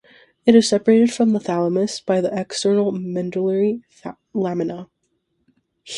It is separated from the thalamus by the external medullary lamina.